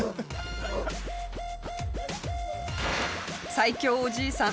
最強おじいさん